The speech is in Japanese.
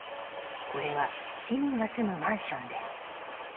これは市民が住むマンションです。